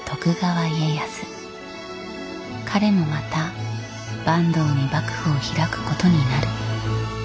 彼もまた坂東に幕府を開くことになる。